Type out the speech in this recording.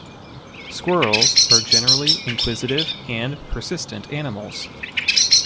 Squirrels are generally inquisitive and persistent animals.